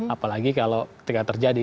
apalagi kalau ketika terjadi